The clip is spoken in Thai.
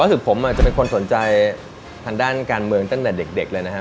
รู้สึกผมจะเป็นคนสนใจทางด้านการเมืองตั้งแต่เด็กเลยนะฮะ